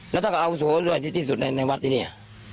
แล้วท่าก็เอาออวิธูสูรในวัดที่เนี่ย